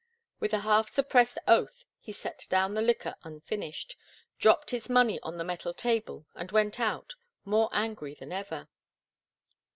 With a half suppressed oath he set down the liquor unfinished, dropped his money on the metal table and went out, more angry than ever.